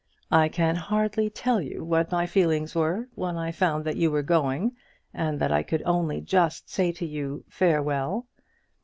I can hardly tell you what my feelings were when I found that you were going, and that I could only just say to you, farewell.